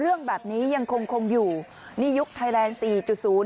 เรื่องแบบนี้ยังคงอยู่นี่ยุคไทยธุ์๔๐